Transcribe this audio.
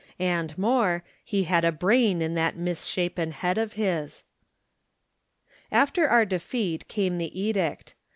And, more, he had a brain in that naisshapen head of his. After our defeat came the edict.